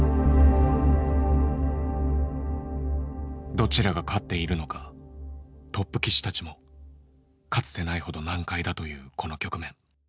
どちらが勝っているのかトップ棋士たちもかつてないほど難解だというこの局面。